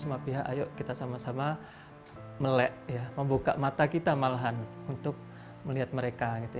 semua pihak ayo kita sama sama melek membuka mata kita malahan untuk melihat mereka gitu